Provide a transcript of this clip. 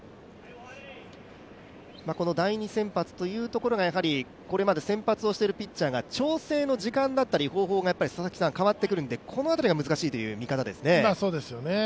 この第２先発というところが、これまで先発をしているピッチャーが調整の時間だったり、方法が変わってくるのでこの辺りが難しいという見方ですよね。